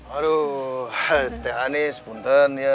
aduh teh hanis pun ten